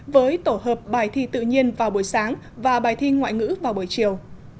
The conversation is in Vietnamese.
với tổ hợp bài thi tự nhiên vào buổi sáng và bài thi ngoại ngữ vào buổi chiều